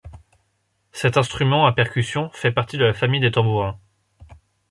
Cet instrument à percussion fait partie de la famille des tambourins.